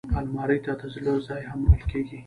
الماري ته د زړه ځای هم ویل کېږي